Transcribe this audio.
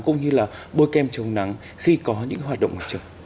cũng như là bôi kem chống nắng khi có những hoạt động ở chợ